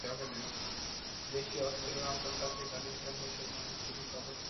দেশীয় অস্ত্র, রামদা-চাপাতি, লাঠিসোঁটা নিয়ে এসব সংঘর্ষে পুলিশসহ অর্ধশত আহত হন।